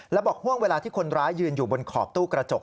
แล้วบอกห่วงเวลาที่คนร้ายยืนอยู่บนขอบตู้กระจก